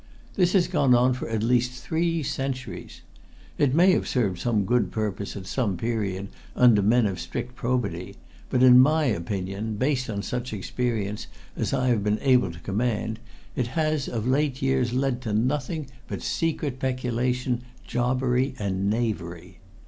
This has gone on for at least three centuries. It may have served some good purpose at some period, under men of strict probity, but, in my opinion, based on such experience as I have been able to command, it has of late years led to nothing but secret peculation, jobbery and knavery.